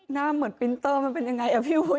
หน้าเหมือนปรินเตอร์มันเป็นยังไงอ่ะพี่อุ๊ย